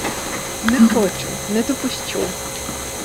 Не хочу, не допущу!